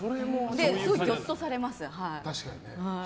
すごい、ぎょっとされます。